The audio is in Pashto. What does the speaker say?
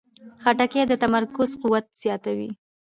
خټکی د تمرکز قوت زیاتوي.